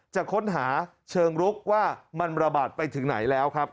จะค้นหาเชิงลุกว่ามันระบาดไปถึงไหนแล้วครับ